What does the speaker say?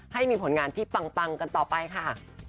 ให้มีผลงานที่ปังกันต่อไปค่ะ